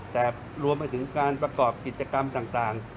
แต่รวมไปถึงการประกอบกิจกรรมต่าง